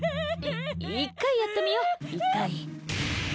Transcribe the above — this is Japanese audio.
１回やってみよ、１回！